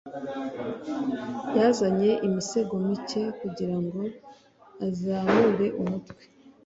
Yazanye imisego mike kugirango azamure umutwe.